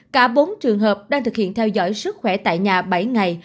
cả bốn trường hợp đang thực hiện theo dõi sức khỏe tại nhà bảy ngày